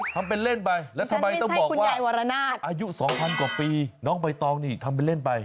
ทำเป็นเล่นไปแล้วทำไมต้องบอกว่าอายุ๒๐๐กว่าปีน้องใบตองนี่ทำเป็นเล่นไป